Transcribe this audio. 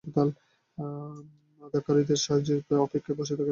আধিকারিকদের সাহায্যের অপেক্ষায় বসে থাকার সময় নেই।